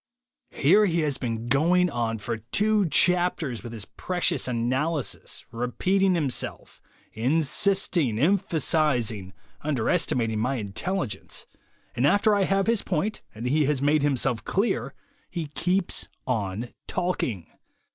"Here he has been going on for two chapters with his precious analysis, repeating himself, insisting, emphasizing, underestimating my intelligence, and after I have his point, and he has made himself clear, he keeps on talking.